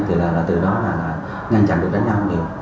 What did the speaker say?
thì là từ đó là ngăn chặn được đánh nhau được